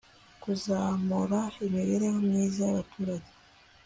kuzamura imibereho myiza y'abaturage